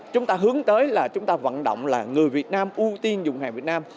chúng ta hướng tới là chúng ta vận động là người việt nam ưu tiên dùng hàng việt nam